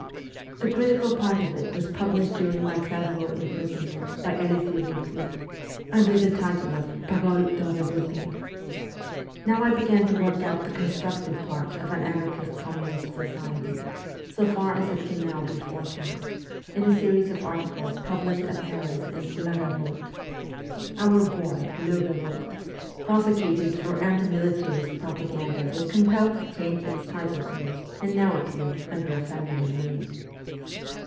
The critical part of it was published during my Clairvaux imprisonment by Elisee Keclus, under the title of ' Paroles d'un Revolte.' Now I began to work out the constructive part of an anarchist communist society so far as it can now be forecast in a series of articles published at Paris in ' La Revolte.' Our ' boy,' ' Le Eevolte,' prosecuted for anti militarist propaganda, was compelled to change its title page and now appeared under a feminine name.